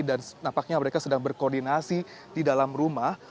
dan nampaknya mereka sedang berkoordinasi di dalam rumah